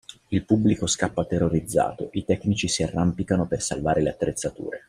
Il pubblico scappa terrorizzato, i tecnici si arrampicano per salvare le attrezzature.